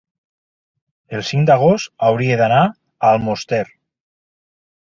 el cinc d'agost hauria d'anar a Almoster.